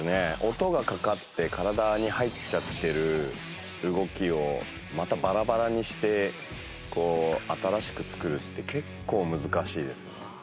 音がかかって体に入っちゃってる動きをまたバラバラにして新しく作るって結構難しいですね。